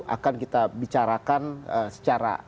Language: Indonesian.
akan kita bicarakan secara